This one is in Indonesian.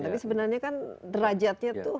tapi sebenarnya kan derajatnya tuh